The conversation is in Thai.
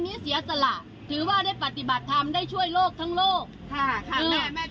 นี้เสียสละถือว่าได้ปฏิบัติธรรมได้ช่วยโลกทั้งโลกค่ะทั้งแม่แม่